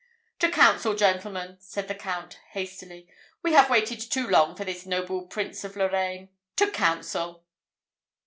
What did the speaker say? "To council, gentlemen!" said the Count, hastily. "We have waited too long for this noble Prince of Loraine. To council!"